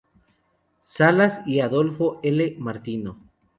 Salas y Adolfo L. Martino.